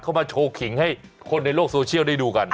มาโชว์ขิงให้คนในโลกโซเชียลได้ดูกัน